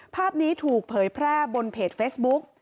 ภาพนี้ถูกเผยแพร่บนเพจเฟซบุ๊ก